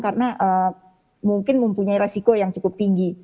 karena mungkin mempunyai resiko yang cukup tinggi